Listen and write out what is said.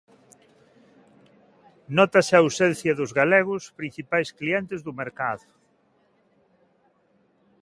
Nótase a ausencia dos galegos, principais clientes do mercado.